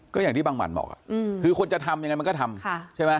ก็อย่างที่บางหมันบอกคือคนจะทำยังไงมันก็ทำใช่ไหม